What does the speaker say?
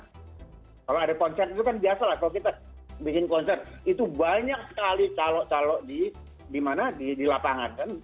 kalau ada konser itu kan biasa lah kalau kita bikin konser itu banyak sekali calok calok di lapangan kan